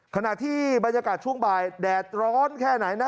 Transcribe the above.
ขณะที่บรรยากาศช่วงบ่ายแดดร้อนแค่ไหนนะ